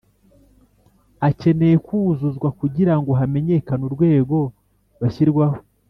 akeneye kuzuzwa kugira ngo hamenyekane urwego bashyirwaho